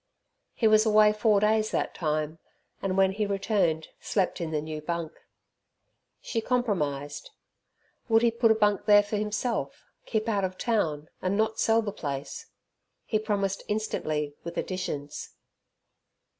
He was away four days that time, and when he returned slept in the new bunk. She compromised. Would he put a bunk there for himself, keep out of town, and not sell the place? He promised instantly with additions.